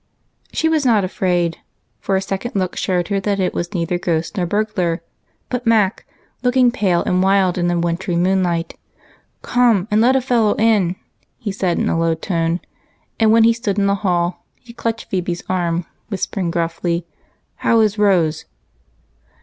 She was not afraid, for a second look showed her that it was neither ghost nor burglar, but Mac, looking pale and wild in the wintry moonlight. 250 EIGHT COUSINS. " Come and let a fellow in," he said in a low tone, and when he stood in the hall he clutched Phebe's arm, whispering gruffly, " How is Rose